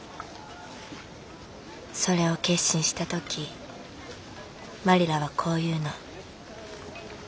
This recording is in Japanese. それを決心した時マリラはこう言うの。